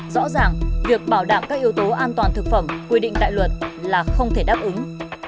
rõ ràng việc bảo đảm các yếu tố an toàn thực phẩm quy định tại luật là không thể đáp ứng